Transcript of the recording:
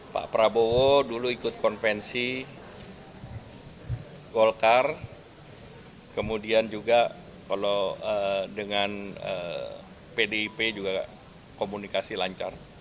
pak prabowo dulu ikut konvensi golkar kemudian juga kalau dengan pdip juga komunikasi lancar